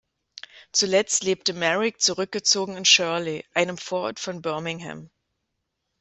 Zuletzt lebte Merrick zurückgezogen in Shirley, einem Vorort von Birmingham.